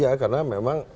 ya karena memang